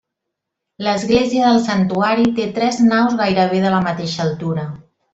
L'església del santuari té tres naus gairebé de la mateixa altura.